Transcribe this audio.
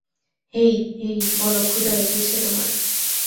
হেই, hey, বলো ক্ষুধা লেগেছে তোমার।